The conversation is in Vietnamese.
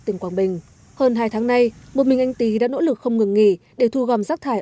tỉnh quảng bình hơn hai tháng nay một mình anh tý đã nỗ lực không ngừng nghỉ để thu gom rác thải